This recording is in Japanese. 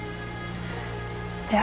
じゃあ。